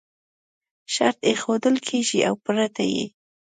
شرط ایښودل کېږي او پرته یې